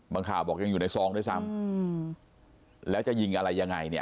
ข่าวบอกยังอยู่ในซองด้วยซ้ำแล้วจะยิงอะไรยังไงเนี่ย